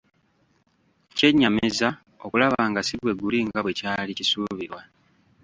Kyennyamiza okulaba nga si bwe guli nga bwekyali kisuubirwa.